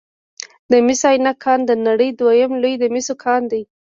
د مس عینک کان د نړۍ دویم لوی د مسو کان دی